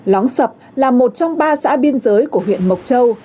lóng sập là một trong ba xã biên giới của huyện mộc châu